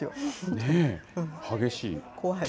激しい。